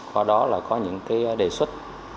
qua đó là có những đề xuất